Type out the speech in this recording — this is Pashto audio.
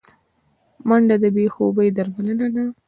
منډه د بې خوبي درملنه ده